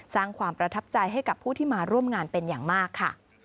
สร้างความประทับใจให้กับผู้ที่มาร่วมงานเป็นอย่างมากค่ะ